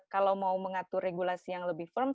kalau mau mengatur regulasi yang lebih firm